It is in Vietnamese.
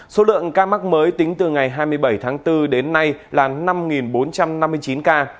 số lượng ca mắc mới tính từ ngày hai mươi bảy tháng bốn đến nay là năm bốn trăm năm mươi chín ca